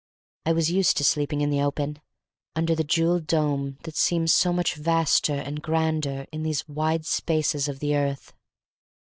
I was used to sleeping in the open, under the jewelled dome that seems so much vaster and grander in these wide spaces of the earth.